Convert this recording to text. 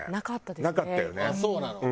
なかったですね。